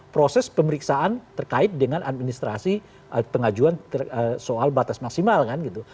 proses pemeriksaan terkait dengan administrasi pengajuan soal batas maksimal kan gitu